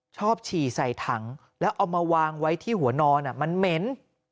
ฉี่ใส่ถังแล้วเอามาวางไว้ที่หัวนอนมันเหม็น